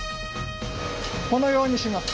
このようにします。